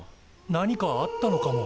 何かあったのかも。